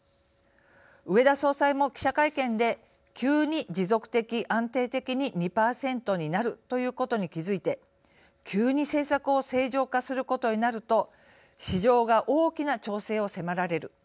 植田総裁も記者会見で「急に持続的、安定的に２％になるということに気付いて急に政策を正常化することになると市場が大きな調整を迫られる。